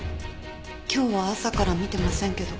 今日は朝から見てませんけど。